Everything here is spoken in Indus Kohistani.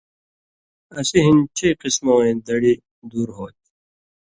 اسی ہِن چئی قسمہ وَیں دڑی دُور ہوتھی۔